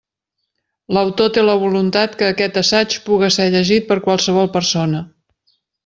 L'autor té la voluntat que aquest assaig puga ser llegit per qualsevol persona.